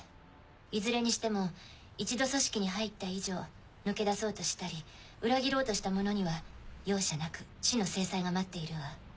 いずれにしても一度組織に入った以上抜けだそうとしたり裏切ろうとした者には容赦なく死の制裁が待っているわ。